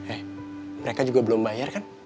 eh mereka juga belum bayar kan